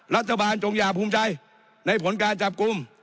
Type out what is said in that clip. รัฐบาลจงอย่าภูมิใจในผลการจับกลุ้ม